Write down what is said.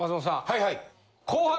はいはい。